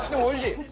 おいしい。